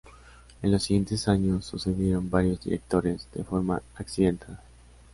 En los siguientes años sucedieron varios directores de forma accidentada.